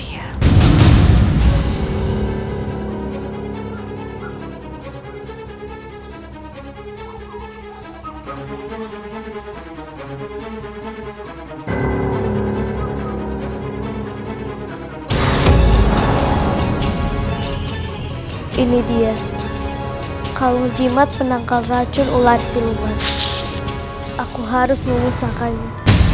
ini dia kalau jimat penangkal racun ular siluman aku harus menulis nakalnya